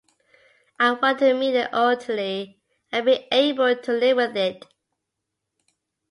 I wanted to mean it utterly and be able to live with it.